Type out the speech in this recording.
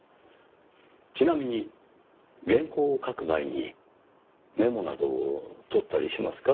ちなみに原稿を書く前にメモなどを取ったりしますか？